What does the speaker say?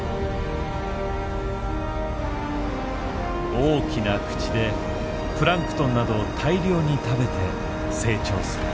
大きな口でプランクトンなどを大量に食べて成長する。